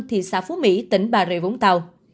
thị xã phú mỹ tỉnh bà rịa vốn tàu